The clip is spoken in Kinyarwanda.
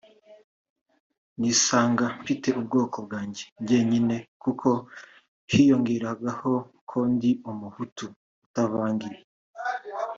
nisanga mfite ubwoko bwanjye njyenyine kuko hiyongeragaho ko ndi Umuhutu utavangiye”